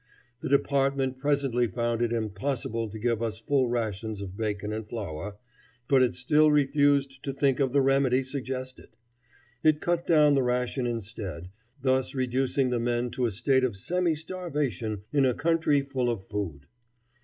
The department presently found it impossible to give us full rations of bacon and flour, but it still refused to think of the remedy suggested. It cut down the ration instead, thus reducing the men to a state of semi starvation in a country full of food.